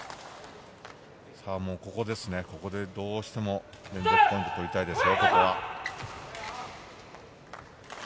ここですね、ここでどうしても連続ポイントを取りたいですね。